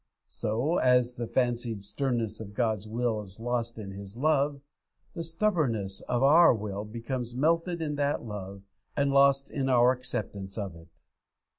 So, as the fancied sternness of God's will is lost in His love, the stubbornness of our will becomes melted in that love, and lost in our acceptance of it.